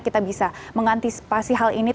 kita bisa mengantisipasi hal ini